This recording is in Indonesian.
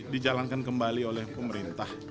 dijalankan kembali oleh pemerintah